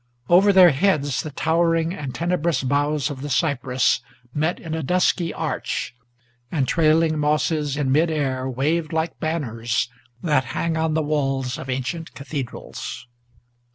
Over their heads the towering and tenebrous boughs of the cypress Met in a dusky arch, and trailing mosses in mid air Waved like banners that hang on the walls of ancient cathedrals.